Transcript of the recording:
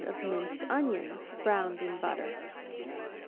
of minced onions, browned bone). in butter.